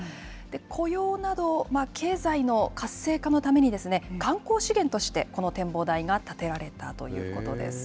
雇用など、経済の活性化のために、観光資源として、この展望台が建てられたということです。